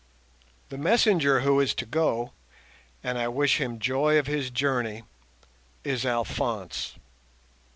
The messenger who is to go—and I wish him joy of his journey—is Alphonse.